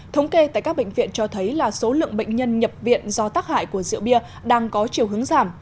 thống kê tại các bệnh viện cho thấy là số lượng bệnh nhân nhập viện do tác hại của rượu bia đang có chiều hướng giảm